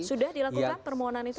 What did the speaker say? sudah dilakukan permohonan itu